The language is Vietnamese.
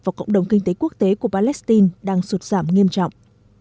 vào cộng đồng kinh tế quốc tế của palestine đang sụt giảm nghiêm trọng